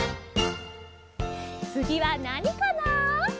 つぎはなにかな？